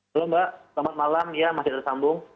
halo mbak selamat malam ya masih tersambung